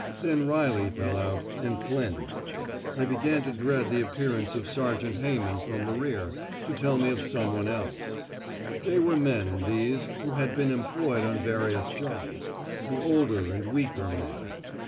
Then Riley fell out, and Flynn. I began to dread the appearance of Sergeant Hayman from the rear, to tell me of some one else. They were men, these, who had been employed on various jobs; the older and weaker men.